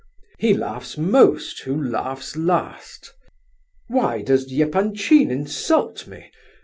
He laughs most, who laughs last. Why does Epanchin insult me?